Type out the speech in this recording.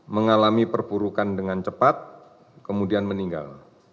mengalami perburukan dengan cepat kemudian meninggal